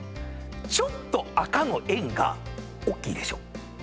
ちょっと赤の円がおっきいでしょ？